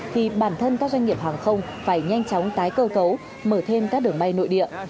thì bản thân các doanh nghiệp hàng không phải nhanh chóng tái cơ cấu mở thêm các đường bay nội địa